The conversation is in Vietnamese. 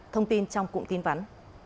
thông tin trong cụm tin vắn